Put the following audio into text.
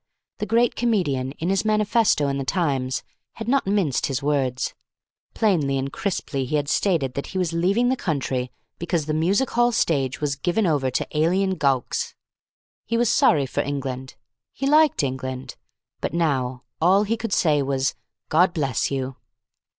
The great comedian, in his manifesto in the Times, had not minced his words. Plainly and crisply he had stated that he was leaving the country because the music hall stage was given over to alien gowks. He was sorry for England. He liked England. But now, all he could say was, "God bless you."